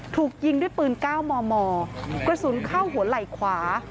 ถูกยิงด้วยปืน๙มมกระสุนเข้าหัวไหล่ขวา